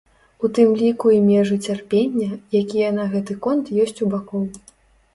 У тым ліку і межы цярпення, якія на гэты конт ёсць у бакоў.